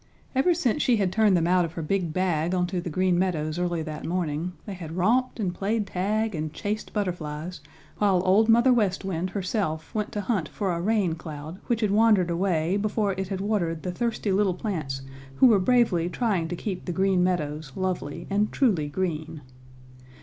Ever since she had turned them out of her big bag onto the Green Meadows early that morning they had romped and played tag and chased butterflies while Old Mother West Wind herself went to hunt for a raincloud which had wandered away before it had watered the thirsty little plants who were bravely trying to keep the Green Meadows lovely and truly green.